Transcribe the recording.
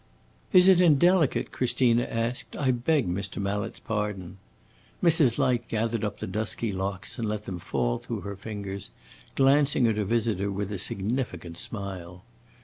"Is it indelicate?" Christina asked. "I beg Mr. Mallet's pardon." Mrs. Light gathered up the dusky locks and let them fall through her fingers, glancing at her visitor with a significant smile.